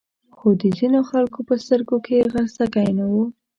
خو د ځینو خلکو په سترګو کې خلسکی نه و.